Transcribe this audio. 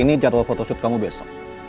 ini jadwal photoshoot kamu besok